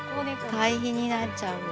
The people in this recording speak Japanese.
堆肥になっちゃうよ。